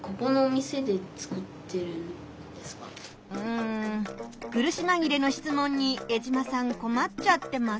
うん苦しまぎれの質問に江島さんこまっちゃってます。